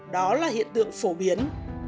đó là hiện tượng phổ biến